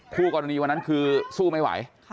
คู่กรณีวันนั้นคือสู้ไม่ไหว